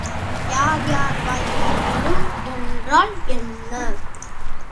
யார் யார் வாய் கேட்பினும் என்றால் என்ன?